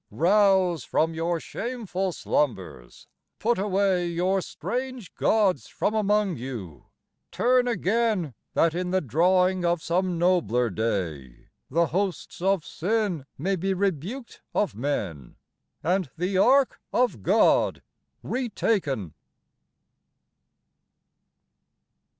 Rouse from your shameful slumbers. Put away Your strange gods from among you. Turn again; That in the drawing of some nobler day The hosts of sin may be rebuked of men, And the Ark of God re taken.